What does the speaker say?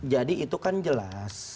jadi itu kan jelas